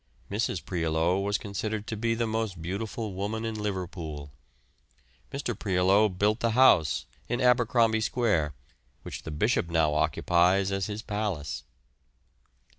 Mrs. Prioleau was considered to be the most beautiful woman in Liverpool. Mr. Prioleau built the house in Abercromby Square which the Bishop now occupies as his palace.